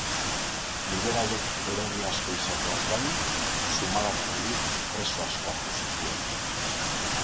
Liberalek erori asko izateaz gain, Zumalakarregik preso asko hartu zituen.